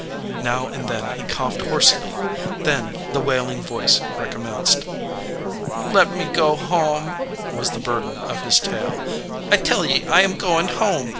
Now and then he coughed hoarsely. Then the wailing voice recommenced. "Let me go home," was the burden of his tale. "I tell ye, I am going home.